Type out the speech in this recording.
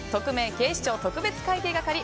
警視庁特別会計係」。